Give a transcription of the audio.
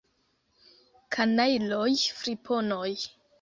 Kanajloj, friponoj!